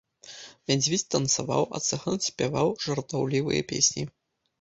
Мядзведзь танцаваў, а цыган спяваў жартаўлівыя песні.